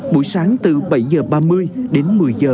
buổi sáng từ bảy h ba mươi đến một mươi giờ